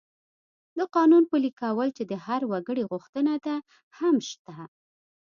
د قانون پلي کول چې د هر وګړي غوښتنه ده، هم شته.